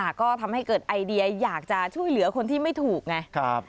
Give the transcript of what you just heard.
ก็ทำให้เกิดไอเดียอยากจะช่วยเหลือคนที่ไม่ถูกไงครับ